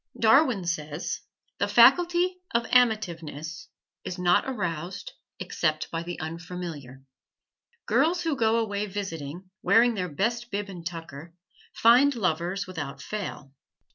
Darwin says, "The faculty of amativeness is not aroused except by the unfamiliar." Girls who go away visiting, wearing their best bib and tucker, find lovers without fail.